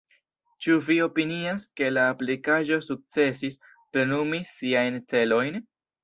Ĉu vi opinias ke la aplikaĵo sukcesis plenumi siajn celojn?